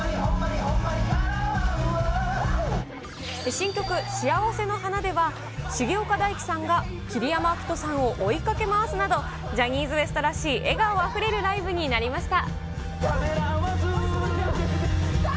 新曲、しあわせの花では、重岡大毅さんが桐山照史さんを追いかけ回すなど、ジャニーズＷＥＳＴらしい笑顔あふれるライブになりました。